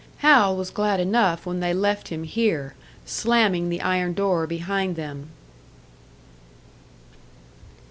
Hal was glad enough when they left him here, slamming the iron door behind them.